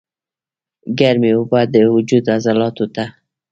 ګرمې اوبۀ د وجود عضلاتو ته